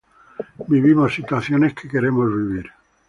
Vivimos situaciones que queremos vivir.